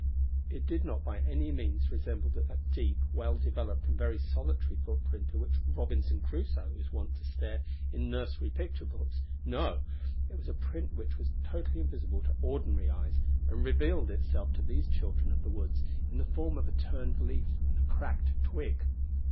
It did not by any means resemble that deep, well developed, and very solitary footprint at which Robinson Crusoe is wont to stare in nursery picture books. No; it was a print which was totally invisible to ordinary eyes, and revealed itself to these children of the woods in the form of a turned leaf and a cracked twig.